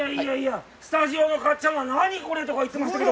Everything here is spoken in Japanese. スタジオのかっちゃんが、何これ？とか言ってましたけど。